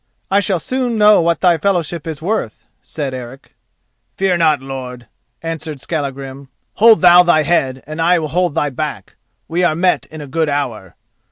"I shall soon know what thy fellowship is worth," said Eric. "Fear not, lord," answered Skallagrim. "Hold thou thy head and I will hold thy back. We are met in a good hour."